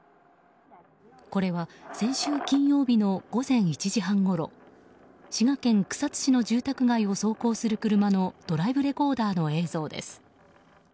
これは、先週金曜日の午前１時半ごろ滋賀県草津市の住宅街を走行する車のドライブレコーダーの映像です。